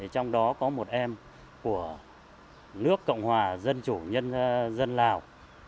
trong đó có một em của nước cộng hòa dân chủ nhân dân lào